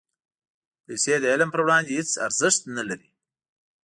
پېسې د علم پر وړاندې هېڅ ارزښت نه لري.